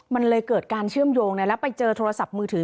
มันเลยเกิดการเชื่อมโยงแล้วไปเจอโทรศัพท์มือถือ